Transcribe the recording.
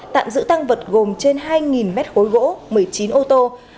tạm giữ tăng vật gồm trên hai mét khối gỗ một mươi chín ô tô